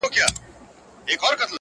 ز ماپر حا ل باندي ژړا مه كوه~